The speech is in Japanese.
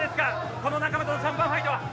この仲間とのシャンパンファイトは？